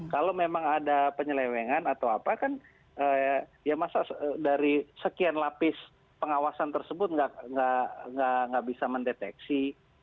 kalau memang ada penyelewengan atau apa kan ya masa dari sekian lapis pengawasan tersebut nggak bisa mendeteksi